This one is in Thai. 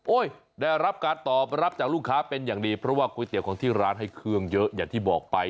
ได้รับการตอบรับจากลูกค้าเป็นอย่างดีเพราะว่าก๋วยเตี๋ยวของที่ร้านให้เครื่องเยอะอย่างที่บอกไป